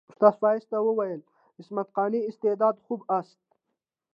استاد فایز ته وویل عصمت قانع استعداد خوب است.